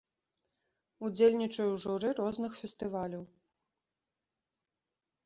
Удзельнічаю ў журы розных фестываляў.